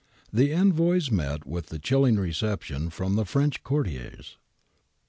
^ The envoys met with a chilling reception from the French courtiers.